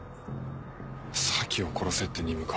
咲を殺せって任務か。